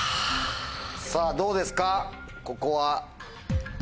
さぁどうですか？